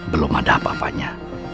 belum ada apa apanya